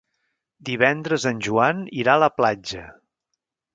Divendres en Joan irà a la platja.